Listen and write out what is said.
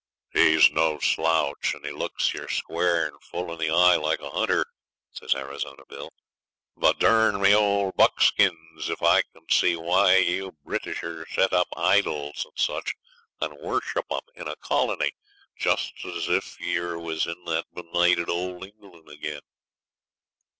'He's no slouch, and he looks yer square and full in the eye, like a hunter,' says Arizona Bill; 'but durn my old buckskins if I can see why you Britishers sets up idols and such and worship 'em, in a colony, jest's if yer was in that benighted old England again.'